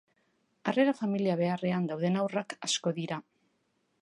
Harrera familia beharrean dauden haurrak asko dira.